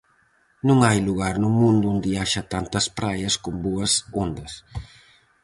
Non hai lugar no mundo onde haxa tantas praias con boas ondas.